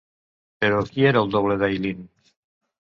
Però qui era el doble d'Eileen.